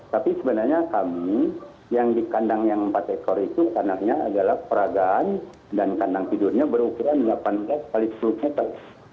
tapi sebenarnya kami yang di kandang yang empat ekor itu kandangnya adalah peragaan dan kandang tidurnya berukuran delapan belas x sepuluh meter